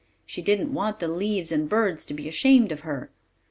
She didn't want the leaves and birds to be ashamed of her.